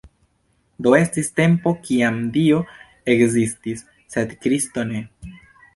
Do estis tempo kiam Dio ekzistis, sed Kristo ne.